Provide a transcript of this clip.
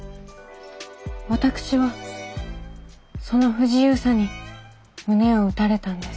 私はその不自由さに胸を打たれたんです。